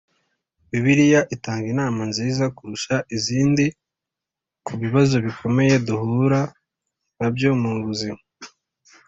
Bibiliya itanga inama nziza kurusha izindi ku bibazo bikomeye duhura na byo mu buzima